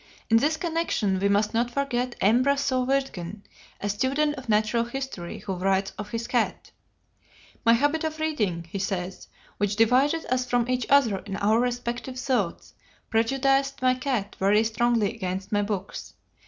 In this connection we must not forget M. Brasseur Wirtgen, a student of natural history who writes of his cat: "My habit of reading," he says, "which divided us from each other in our respective thoughts, prejudiced my cat very strongly against my books.